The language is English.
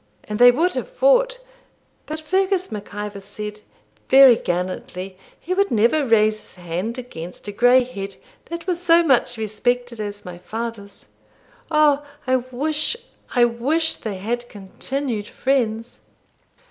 And they would have fought; but Fergus Mac Ivor said, very gallantly, he would never raise his hand against a grey head that was so much respected as my father's. O I wish, I wish they had continued friends!'